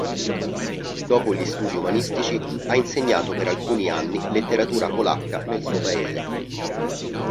Dopo gli studi umanistici ha insegnato per alcuni anni letteratura polacca nel suo paese.